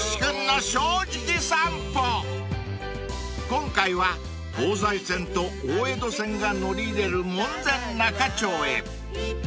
［今回は東西線と大江戸線が乗り入れる門前仲町へ］